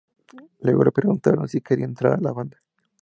Luego le preguntaron si quería entrar a la banda.